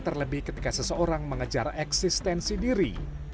terlebih ketika seseorang mengejar eksistensi diri